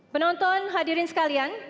penonton hadirin sekalian